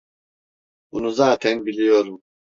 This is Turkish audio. Bunu zaten biliyorum.